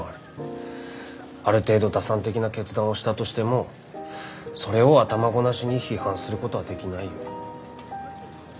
ある程度打算的な決断をしたとしてもそれを頭ごなしに批判することはできないよ。